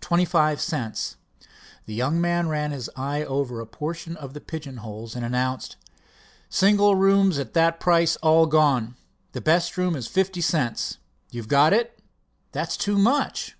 "Twenty five cents." The young man ran his eye over a portion of the pigeon holes and announced: "Single rooms at that price all gone." "And the best room is fifty cents?" "You've got it." "That's too much."